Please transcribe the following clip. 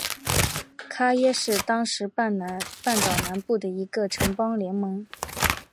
伽倻是当时半岛南部的一个城邦联盟。